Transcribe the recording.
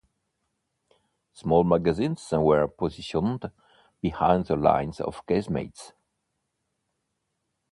Small magazines were positioned behind the lines of casemates.